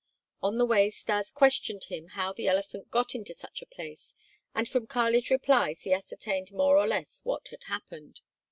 On the way Stas questioned him how the elephant got into such a place and from Kali's replies he ascertained more or less what had happened.